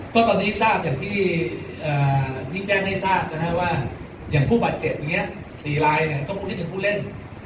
เพราะตอนนี้จากจมมือที่แจ้งให้ทราบนะคะว่าอย่างผู้ปัจจิเจ็บเมีย